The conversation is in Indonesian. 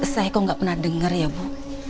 saya kok nggak pernah dengar ya bu